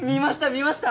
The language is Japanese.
見ました